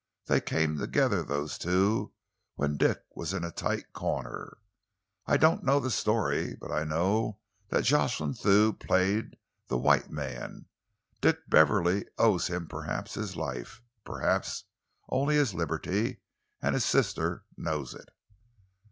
They came together, those two, when Dick was in a tight corner. I don't know the story, but I know that Jocelyn Thew played the white man. Dick Beverley owes him perhaps his life, perhaps only his liberty, and his sister knows it.